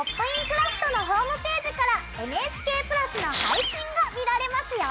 クラフト」のホームページからＮＨＫプラスの配信が見られますよ！